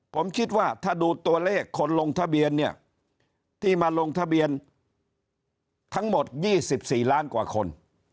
ผมคิดว่าถ้าดูตัวเลขคนลงทะเบียนเนี่ยที่มาลงทะเบียนทั้งหมด๒๔ล้านกว่าคน